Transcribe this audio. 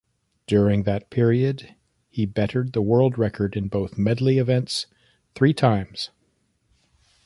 During that period, he bettered the world record in both medley events three times.